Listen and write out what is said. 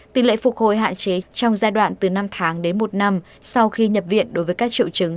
tỷ lệ phục hồi hạn chế trong giai đoạn từ năm tháng đến một năm sau khi nhập viện đối với các triệu chứng